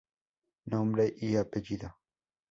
Nombre y Apellido!!